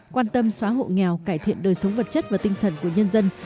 quan tâm xóa hộ nghèo cải thiện đời sống vật chất và tinh thần của nhân dân